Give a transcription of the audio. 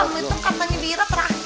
katanya bira terakhir